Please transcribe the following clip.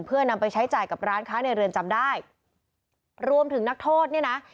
เพื่อนำไปใช้จ่ายกับร้านค้าในเรือนจำได้รวมถึงนักโทษเนี่ยนะ